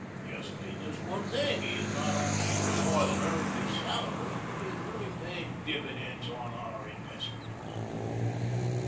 Just in this one thing he has not only more than earned his salary, but is really paying dividends on our investment."